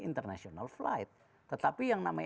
international flight tetapi yang namanya